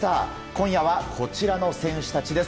今夜はこちらの選手たちです。